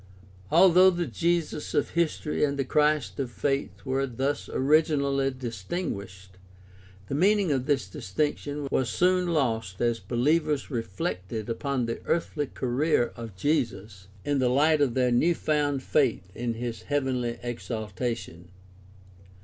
Although the Jesus of history and the Christ of faith were thus originally distinguished, the meaning of this distinction was soon lost as behevers reflected upon the earthly career of Jesus in the Kght of their new found faith in his heavenly exaltation.